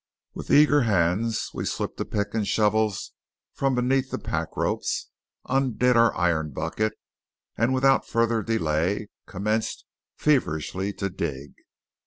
With eager hands we slipped a pick and shovels from beneath the pack ropes, undid our iron bucket, and without further delay commenced feverishly to dig.